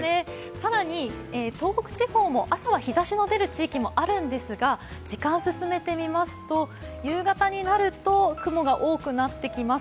更に、東北地方も朝は日差しの出る地域もあるんですが時間を進めてみますと、夕方になると雲が多くなってきます。